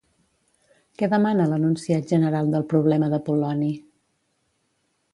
Què demana l'enunciat general del problema d'Apol·loni?